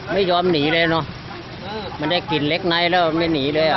ไม่ยอมหนีเลยเนอะมันได้กลิ่นเล็กไนท์แล้วมันไม่หนีเลยอ่ะ